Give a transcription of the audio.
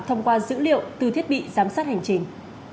thông qua dữ liệu từ thiết bị giám sát hành trình